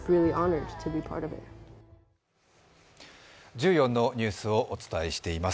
１４のニュースをお伝えしております。